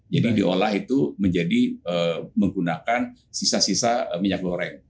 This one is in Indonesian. jadi diolah itu menjadi menggunakan sisa sisa minyak goreng